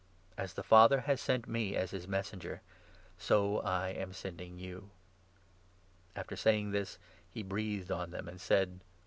As the Father has sent me as his Messenger, so I am Bending you." A ter saying this, he breathed on them, and said : 22 JOHN, 20 21.